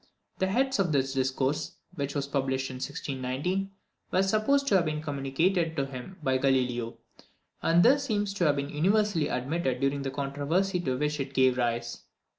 The heads of this discourse, which was published in 1619, were supposed to have been communicated to him by Galileo, and this seems to have been universally admitted during the controversy to which it gave rise.